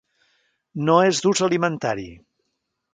No és d'ús alimentari.